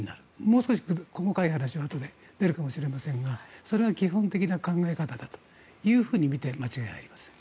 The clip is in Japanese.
もう少し細かい話はあとで出るかもしれませんがそれは基本的な考え方だとみて間違いありません。